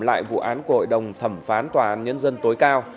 lại vụ án của hội đồng thẩm phán tòa án nhân dân tối cao